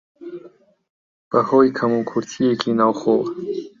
بەهۆی کەموکورتییەکی ناوخۆوە